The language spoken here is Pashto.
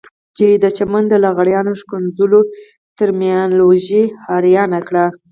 چې د چمن د لغړیانو ښکنځلو ترمینالوژي حيرانه کړه.